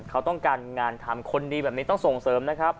เขาต้องการงานทำคนดีแบบนี้ต้องส่งเสริมนะครับ